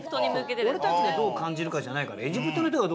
俺たちがどう感じるかじゃないから。